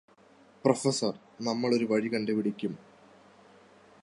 professor നമ്മൾ ഒരു വഴി കണ്ടുപിടിക്കും